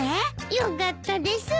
よかったです。